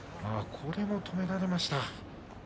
これも止められました。